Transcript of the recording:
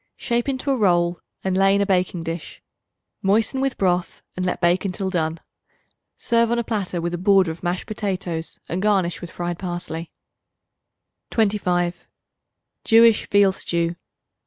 Shape into a roll and lay in a baking dish; moisten with broth and let bake until done. Serve on a platter with a border of mashed potatoes and garnish with fried parsley. 25. Jewish Veal Stew.